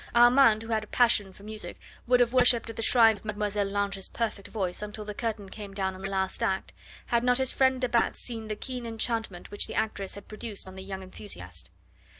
Armand, who had a passion for music, would have worshipped at the shrine of Mlle. Lange's perfect voice until the curtain came down on the last act, had not his friend de Batz seen the keen enchantment which the actress had produced on the young enthusiast.